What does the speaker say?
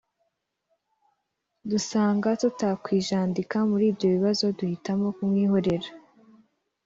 dusanga tutakwijandika muri ibyo bibazo duhitamo kumwihorera